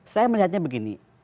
saya melihatnya begini